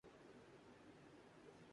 پائے ناشتے میں کھائے جاتے ہیں